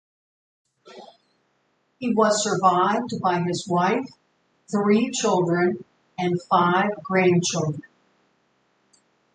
He was survived by his wife, three children and five grandchildren.